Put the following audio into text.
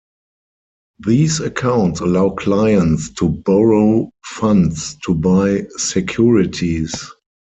These accounts allow clients to borrow funds to buy securities.